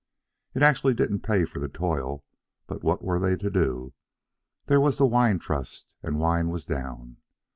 It actually didn't pay for the toil, but what were they to do? There was the wine trust, and wine was down.